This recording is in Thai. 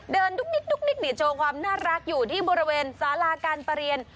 ดุ๊กดิ๊กโชว์ความน่ารักอยู่ที่บริเวณสาราการประเรียน